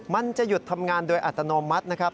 มันจะหยุดทำงานโดยอัตโนมัตินะครับ